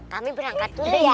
kami berangkat dulu ya